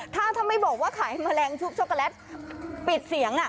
ถ้าถ้าไม่บอกว่าขายแมลงชุบช็อกโกแลตปิดเสียง